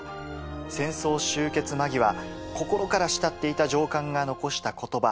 戦争終結間際心から慕っていた上官が遺した言葉。